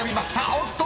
［おっと⁉